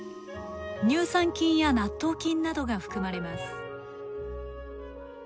乳酸菌や納豆菌などが含まれます。